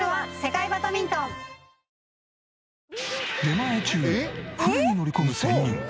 出前中船に乗り込む仙人。